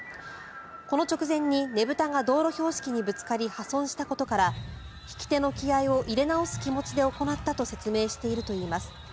この直前にねぶたが道路標識にぶつかり破損したことから引き手の気合を入れ直す気持ちで行ったと説明しているといいます。